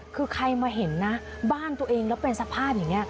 คือใครมาเห็นนะบ้านตัวเองแล้วเป็นสภาพอย่างนี้